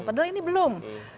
padahal ini belum